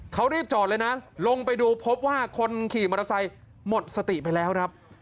เขารีบจอดเลยนะลงไปดูพบว่าคนขี่มอเตอร์ไซค์หมดสติไปแล้วครับ